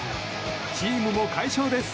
チームも快勝です。